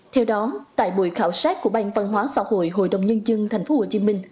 theo đó tại buổi khảo sát của ban văn hóa xã hội hội đồng nhân dân tp hcm